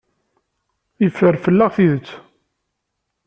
Yeffer fell-aɣ tidet.